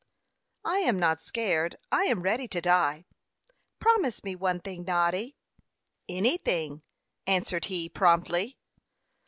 "I am not scared; I am ready to die. Promise me one thing, Noddy." "Anything," answered he, promptly.